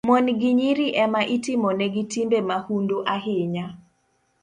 Mon gi nyiri e ma itimonegi timbe mahundu ahinya